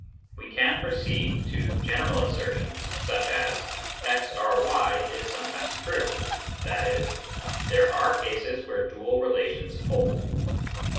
We can proceed to general asser tions, such as " x R y is sometimes true "— i.e. there are cases where dual relations hold.